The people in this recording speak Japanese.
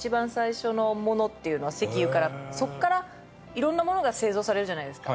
そこから色んなものが製造されるじゃないですか。